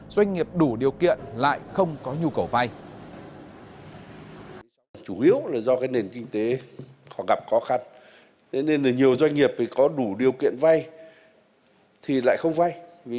doanh nghiệp đủ điều kiện lại không có nhu cầu vay